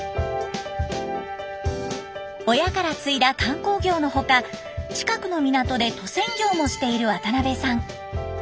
親から継いだ観光業の他近くの港で渡船業もしている渡邊さん。